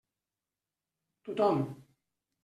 Tothom.